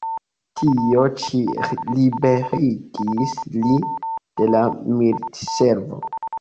Tio ĉi liberigis li de la militservo.